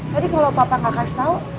tadi kalau papa gak kasih tau